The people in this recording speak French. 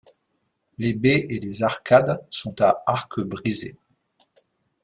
Les baies et les arcades sont à arc brisé.